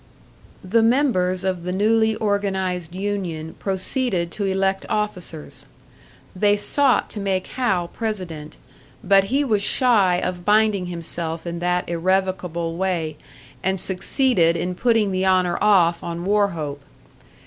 The members of the newly organised union proceeded to elect officers. They sought to make Hal president, but he was shy of binding himself in that irrevocable way, and succeeded in putting the honour off on Wauchope.